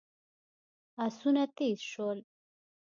آسونه تېز شول.